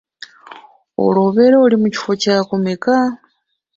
Olwo obeera oli mu kifo kyakumeka?